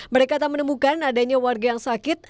mereka tak menemukan adanya warga yang sakit